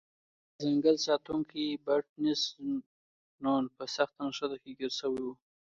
د ځنګل ساتونکی بابټیست نون په سخته نښته کې ګیر شوی و.